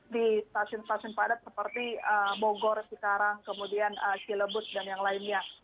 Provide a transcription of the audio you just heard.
di stasiun stasiun padat seperti bogor cikarang kemudian cilebut dan yang lainnya